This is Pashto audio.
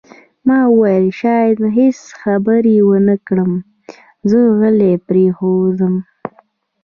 ما وویل: شاید هیڅ خبرې ونه کړم، زه غلی پرېوځم.